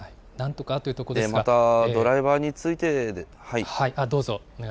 また、ドライバーについて。